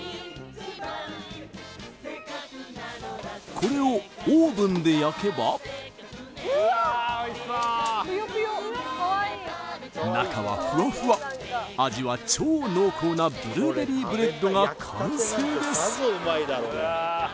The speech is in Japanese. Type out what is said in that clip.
これをオーブンで焼けば中はフワフワ味は超濃厚なブルーベリーブレッドが完成です！